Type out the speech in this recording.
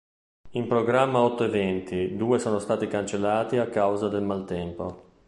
In programma otto eventi; due sono stati cancellati a causa del maltempo.